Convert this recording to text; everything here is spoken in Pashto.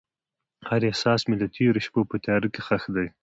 هر احساس مې د تیرو شپو په تیاره کې ښخ دی.